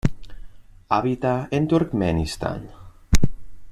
Habita en Turkmenistán.